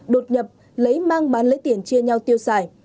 đột nhập lấy mang bán lấy tiền chia nhau tiêu xài